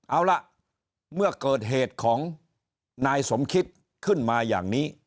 เอาล่ะเมื่อเกิดเหตุของนายสมคิดขึ้นมาอย่างนี้